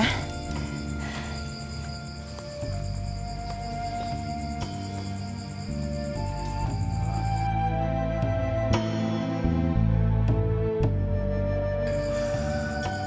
tidak ada bangunan